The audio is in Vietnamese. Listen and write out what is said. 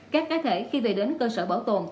các cá thể khi về đến cơ sở bảo tồn